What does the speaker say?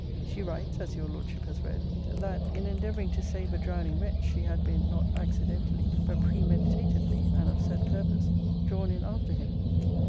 She writes, as your Lordship has read, 'That, in endeavouring to save a drowning wretch, she had been, not accidentally, but premeditatedly, and of set purpose, drawn in after him.'